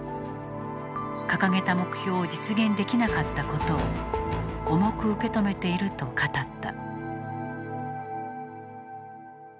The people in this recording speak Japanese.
掲げた目標を実現できなかったことを重く受け止めていると語った。